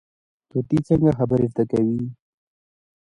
طوطي څنګه خبرې زده کوي؟